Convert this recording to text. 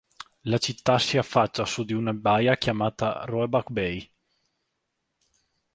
La città si affaccia su di una baia chiamata Roebuck Bay.